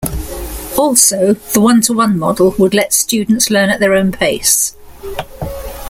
Also, the one-to-one model would let students learn at their own pace.